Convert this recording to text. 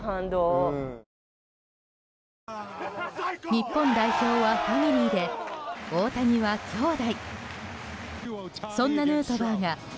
日本代表はファミリーで大谷は兄弟。